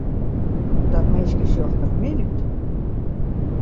Dat minske sjocht der min út.